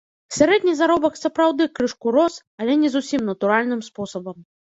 Сярэдні заробак сапраўды крышку рос, але не зусім натуральным спосабам.